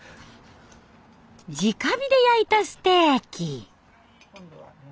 じか火で焼いたステーキ。